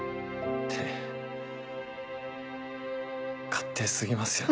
って勝手過ぎますよね。